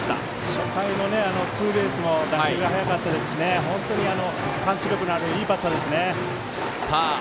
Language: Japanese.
初回のツーベースも打球が速かったし本当にパンチ力のあるいいバッターですね。